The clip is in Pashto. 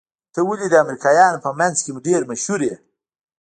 ته ولې د امريکايانو په منځ کې ډېر مشهور يې؟